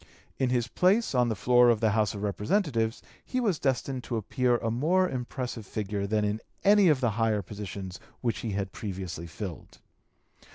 In his place on the floor of the House of Representatives he was destined to appear a more impressive figure than in any of the higher positions which he had previously (p. 227) filled.